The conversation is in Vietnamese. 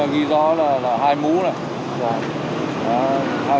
ghi rõ là hai mũ này